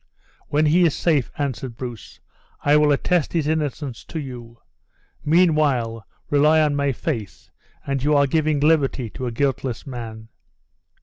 "When he is safe," answered Bruce, "I will attest his innocence to you; meanwhile, rely on my faith, that you are giving liberty to a guiltless man."